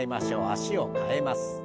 脚を替えます。